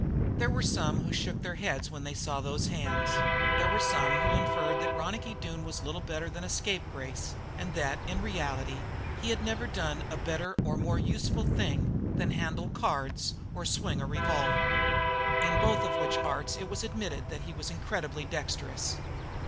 There were some who shook their heads when they saw those hands. There were some who inferred that Ronicky Doone was little better than a scapegrace, and that, in reality, he had never done a better or more useful thing than handle cards and swing a revolver. In both of which arts it was admitted that he was incredibly dexterous.